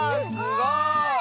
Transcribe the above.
すごい！